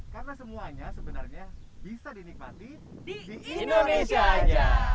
karena semuanya sebenarnya bisa dinikmati di indonesia aja